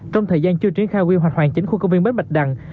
trong thời gian chưa triển khai quy hoạch hoàn chính khu công viên mới bạch đằng